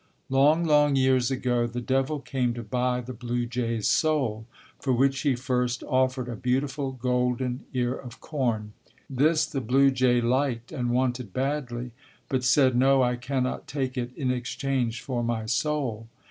Long, long years ago, the devil came to buy the blue jay's soul, for which he first offered a beautiful golden ear of corn. This the blue jay liked and wanted badly, but said, "No, I cannot take it in exchange for my soul."